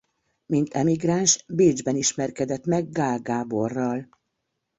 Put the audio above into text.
Mint emigráns Bécsben ismerkedett meg Gaál Gáborral.